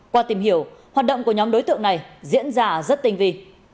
qua tìm hiểu hoạt động của nhóm đối tượng này diễn ra rất tinh vi